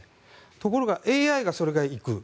ところがＡＩがそれが行く。